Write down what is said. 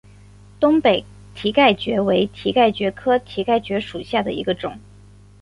东北蹄盖蕨为蹄盖蕨科蹄盖蕨属下的一个种。